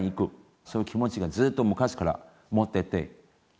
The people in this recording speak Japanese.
そういう気持ちがずっと昔から持ってて？